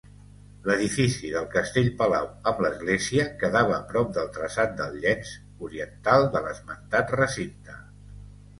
L'edifici del castell-palau, amb l'església, quedava prop del traçat del llenç oriental de l'esmentat recinte.